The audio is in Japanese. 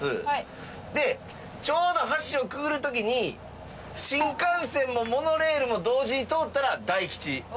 でちょうど橋をくぐる時に新幹線もモノレールも同時に通ったら大吉。